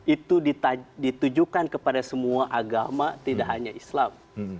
itu ditujukan kepada semua agama tidak hanya islam